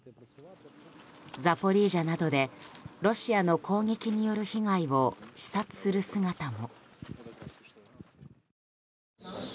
ザポリージャなどでロシアの攻撃による被害を視察する姿も。